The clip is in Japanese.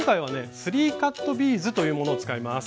スリーカットビーズというものを使います。